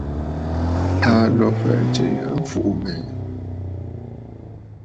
Aa lǒ fɛ̀ʼ̀ɛ̀ tsiʼi a mfuʼubɛ̀ɛ̀.